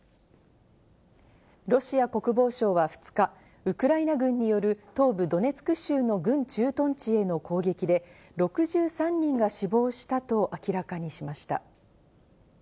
ロシア国防省は２日、ウクライナ軍による東部ドネツク州の軍駐屯地への攻撃で、６３人が死亡したと明らかにしました。